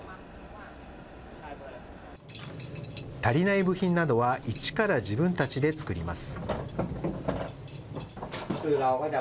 足りない部品などは一から自分たちで作ります。